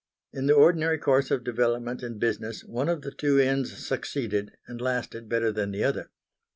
In the ordinary course of development and business one of the two inns succeeded and lasted better than the other.